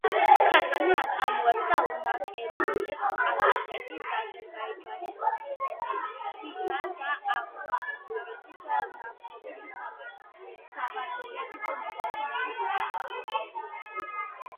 ქარხანა აწარმოებდა უნაკერო მილებს ყაზახეთის, აზერბაიჯანის, თურქმენეთისა და ახლო აღმოსავლეთის ნავთობის საბადოების მოთხოვნების დასაკმაყოფილებლად.